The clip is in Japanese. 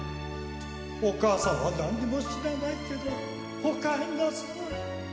お母さんは何にも知らないけどおかえりなさい。